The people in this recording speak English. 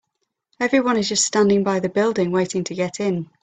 Everyone is just standing by the building, waiting to get in.